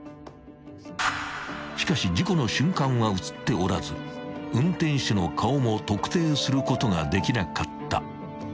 ［しかし事故の瞬間は写っておらず運転手の顔も特定することができなかった］